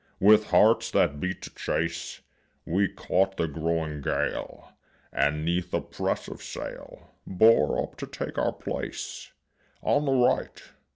With hearts that beat to chase We caught the growing gale, And 'neath a press of sail Bore up to take our place On the right.